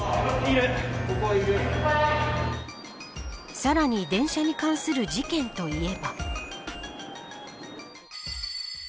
さらに電車に関する事件といえば。